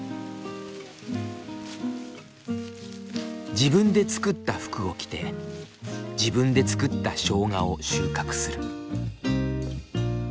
自分で作った服を着て自分で作ったしょうがを収穫する。